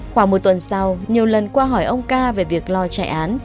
khoảng một tuần sau nhiều lần qua hỏi ông ca về việc lo chạy án